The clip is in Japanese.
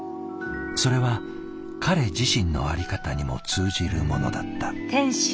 それは彼自身の在り方にも通じるものだった。